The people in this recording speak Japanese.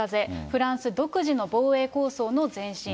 フランス独自の防衛構想の前進。